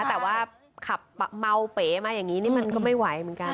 แต่ว่าขับเมาเป๋มาอย่างนี้นี่มันก็ไม่ไหวเหมือนกัน